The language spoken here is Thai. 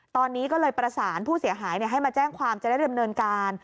ตอนนี้ก็เลยประสานผู้เสียหายให้มาแจ้งความจะได้ดำเนินการ